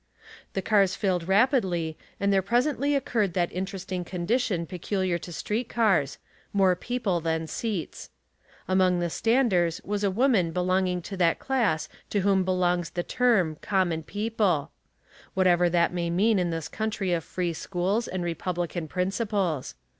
The cars filled rapidly and there presently occurred that interesting condi tion peculiar to street cars — more people than seats. Among the standers was a woman be longing to that class to whom belongs the term '* common people" — whatever that may mean in this country of free schools and republican principles.